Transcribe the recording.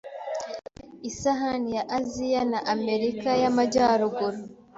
isahani ya Aziya na Amerika y'Amajyaruguru